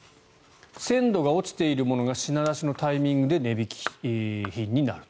鮮度が落ちているものが品出しのタイミングで値引き品になると。